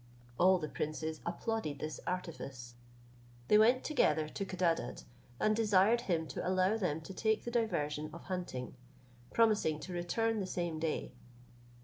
All the princes applauded this artifice. They went together to Codadad, and desired him to allow them to take the diversion of hunting, promising to return the same day.